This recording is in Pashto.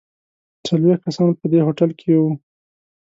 څلوېښت کسان په دې هوټل کې یو.